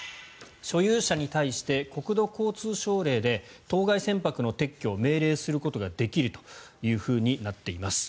所有者に対して国土交通省令で当該船舶の撤去を命令することができるとなっています。